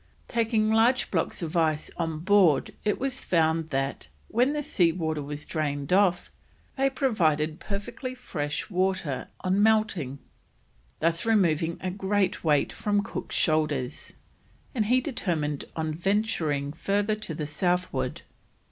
Taking large blocks of ice on board it was found that, when the sea water was drained off, they provided perfectly fresh water on melting, thus removing a great weight from Cook's shoulders, and he determined on venturing further to the southward.